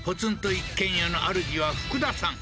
一軒家のあるじはフクダさん